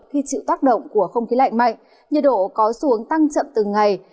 khi chịu tác động của không khí lạnh mạnh nhiệt độ có xuống tăng chậm từng ngày